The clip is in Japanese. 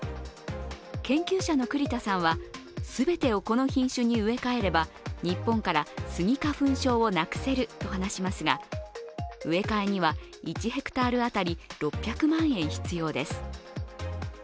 研究者の栗田さんは全てをこの品種に植え替えれば日本からスギ花粉症をなくせると話しますが、植え替えには１ｈａ当たり６００万円必要です。